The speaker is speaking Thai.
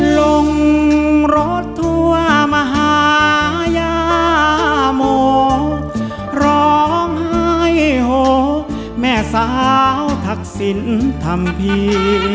ลงรถทั่วมหาญาโมร้องไห้โหแม่สาวทักษิณทำพี่